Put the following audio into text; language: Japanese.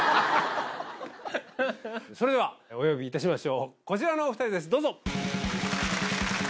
それではお呼びいたしましょうこちらのお２人ですどうぞ！